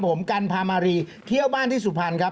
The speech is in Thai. ผมกันพามารีเที่ยวบ้านที่สุพรรณครับ